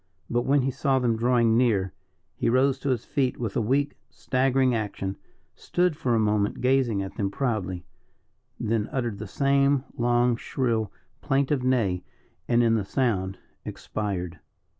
But when he saw them drawing near, he rose to his feet with a weak, staggering action, stood for a moment gazing at them proudly, then uttered the same long, shrill, plaintive neigh, and in the sound expired.